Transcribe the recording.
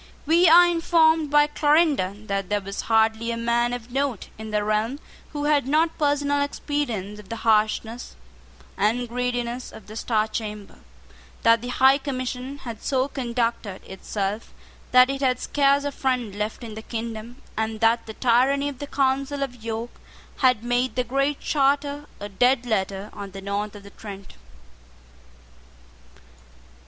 We are informed by Clarendon that there was hardly a man of note in the realm who had not personal experience of the harshness and greediness of the Star Chamber, that the High Commission had so conducted itself that it had scarce a friend left in the kingdom, and that the tyranny of the Council of York had made the Great Charter a dead letter on the north of the Trent.